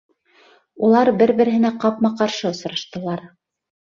Улар бер-береҺенә ҡапма-ҡаршы осраштылар.